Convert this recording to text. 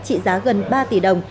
trị giá gần ba tỷ đồng